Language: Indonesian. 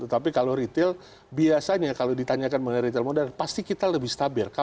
tetapi kalau retail biasanya kalau ditanyakan mengenai retail modern pasti kita lebih stabil